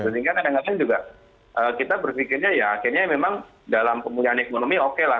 sehingga kita berpikirnya ya akhirnya memang dalam pemulihan ekonomi oke lah